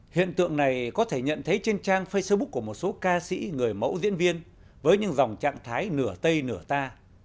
hiện tượng này có thể nhận thấy trên trang facebook của một số ca sĩ người mẫu diễn viên với những dòng trạng thái nửa tây nửa ta